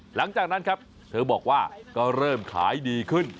หลังจากนั้นครับเธอบอกว่าก็เริ่มขายดีขึ้น